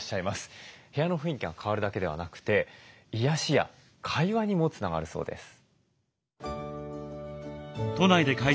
部屋の雰囲気が変わるだけでなくて癒やしや会話にもつながるそうです。